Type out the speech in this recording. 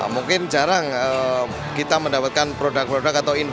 mungkin jarang kita mendapatkan produk produk atau info info